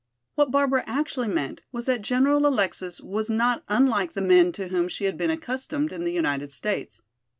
What Barbara actually meant was that General Alexis was not unlike the men to whom she had been accustomed in the United States.